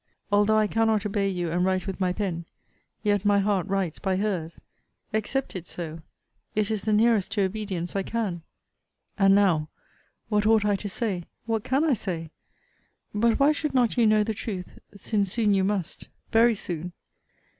Although I cannot obey you, and write with my pen, yet my heart writes by her's accept it so it is the nearest to obedience I can! And now, what ought I to say? What can I say? But why should not you know the truth? since soon you must very soon.